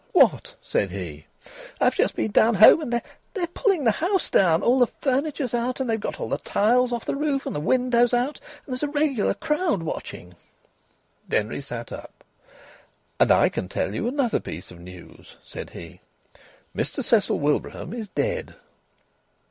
"What?" said he. "I've just been down home, and they're they're pulling the house down. All the furniture's out, and they've got all the tiles off the roof, and the windows out. And there's a regular crowd watching." Denry sat up. "And I can tell you another piece of news," said he. "Mr Cecil Wilbraham is dead."